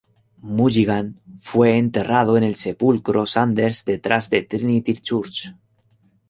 Mulligan fue enterrado en el sepulcro Sanders detrás de Trinity Church.